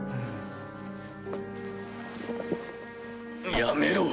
やめろ。